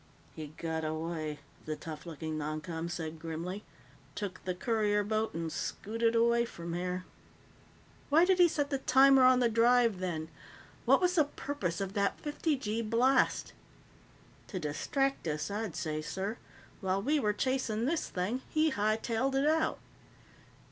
"He got away," the tough looking noncom said grimly. "Took the courier boat and scooted away from here." "Why did he set the timer on the drive, then? What was the purpose of that fifty gee blast?" "To distract us, I'd say, sir. While we were chasing this thing, he hightailed it out."